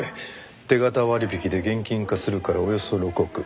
手形割引で現金化するからおよそ６億。